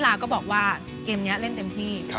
ลาก็บอกว่าเกมนี้เล่นเต็มที่